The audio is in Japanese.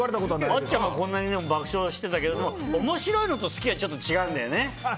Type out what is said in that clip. あっちゃん爆笑してたけど面白いのと好きとはちょっと違うんだよね。